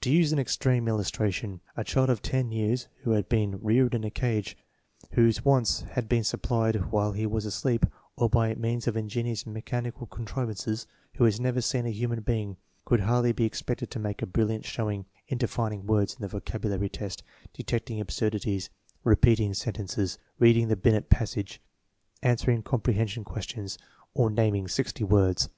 To use an extreme illustration, a child of ten years who had been reared in a cage, whose wants had been supplied while he was asleep, or by means of ingenious mechan ical contrivances, who had never seen a human being, could hardly be expected to make a brilliant showing in defining words in the vocabulary test, detecting absurdities, repeating sentences, reading the Binet passage, answering comprehension questions, or nam ing sixty words.